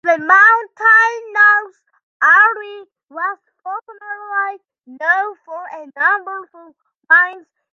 The mountainous area was formerly known for a number of mines, especially ironsand.